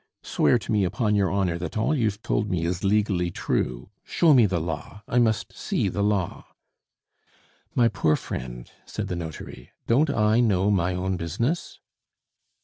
Swear to me upon your honor that all you've told me is legally true. Show me the law; I must see the law!" "My poor friend," said the notary, "don't I know my own business?"